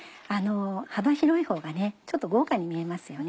幅広いほうがちょっと豪華に見えますよね。